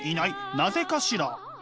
なぜかしら？」。